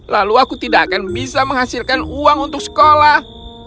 lalu aku tidak akan bisa menghasilkan uang untuk sekolah